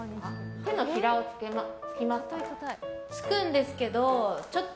手のひらをつけますと。